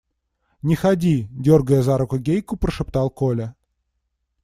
– Не ходи, – дергая за руку Гейку, прошептал Коля.